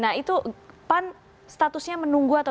nah itu pan statusnya menunggu atau